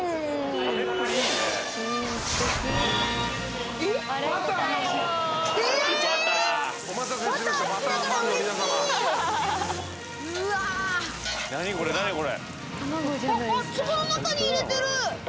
あっあっつぼの中に入れてる。